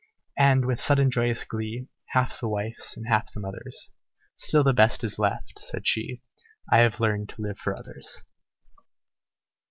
And with sudden, joyous glee, Half the wife's and half the mother's, "Still the best is left," said she: "I have learned to live for others."